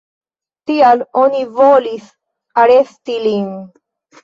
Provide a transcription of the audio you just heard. Tial oni volis aresti lin.